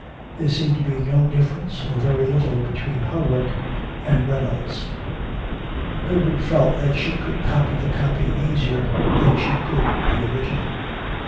There seemed to be no difference, or very little, between her work and Reynolds's. Mildred felt that she could copy the copy easier than she could the original.